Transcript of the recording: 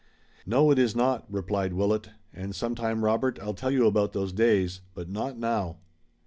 "No, it is not," replied Willet, "and some time, Robert, I'll tell you about those days, but not now."